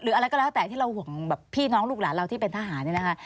อะไรก็แล้วแต่ที่เราห่วงแบบพี่น้องลูกหลานเราที่เป็นทหารเนี่ยนะคะ